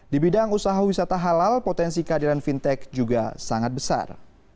di bidang usaha wisata halal potensi kehadiran fintech juga sangat besar